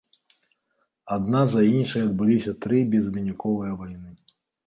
Адна за іншай адбыліся тры безвыніковыя вайны.